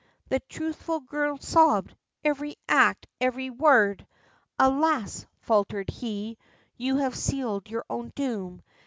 The truthful girl sobb'd, 'Ev'ry act! ev'ry word!' 'Alas,' faltered he, 'you have seal'd your own doom!'